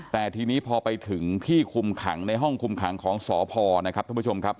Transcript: แต่ทีนี้พอไปถึงที่คุมขังในห้องคุมขังของสพนะครับท่านผู้ชมครับ